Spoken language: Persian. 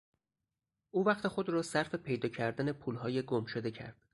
او وقت خود را صرف پیدا کردن پولهای گمشده کرد.